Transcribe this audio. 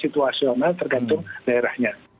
situasional tergantung daerahnya